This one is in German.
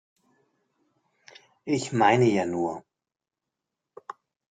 Ich meine ja nur.